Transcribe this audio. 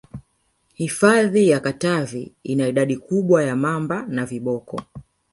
hifadhi ya katavi ina idadi kubwa ya mamba na viboko